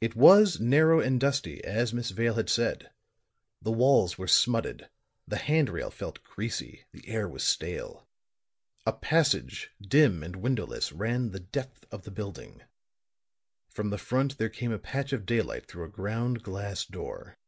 It was narrow and dusty, as Miss Vale had said. The walls were smutted, the hand rail felt greasy, the air was stale. A passage, dim and windowless, ran the depth of the building; from the front there came a patch of daylight through a ground glass door.